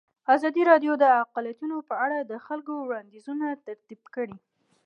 ازادي راډیو د اقلیتونه په اړه د خلکو وړاندیزونه ترتیب کړي.